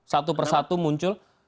satu persatu muncul